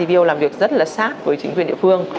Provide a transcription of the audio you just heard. video làm việc rất là sát với chính quyền địa phương